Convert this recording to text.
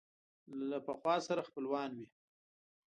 له پخوا سره خپلوان وي